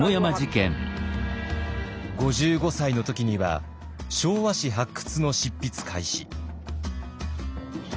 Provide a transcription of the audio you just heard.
５５歳の時には「昭和史発掘」の執筆開始。